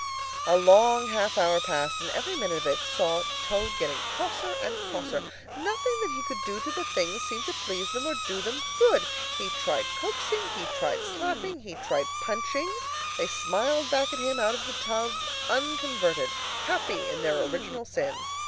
A long half hour passed, and every minute of it saw Toad getting crosser and crosser. Nothing that he could do to the things seemed to please them or do them good. He tried coaxing, he tried slapping, he tried punching; they smiled back at him out of the tub unconverted, happy in their original sin.